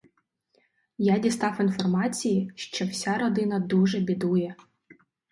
Я дістав інформації, що вся родина дуже бідує.